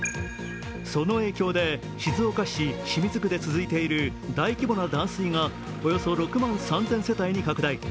その影響で静岡市清水区で続いている大規模な断水がおよそ６万３０００世帯に拡大。